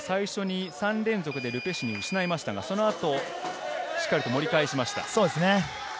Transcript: ３連続でル・ペシュに対して失いましたが、そのあと、しっかり盛り返しました。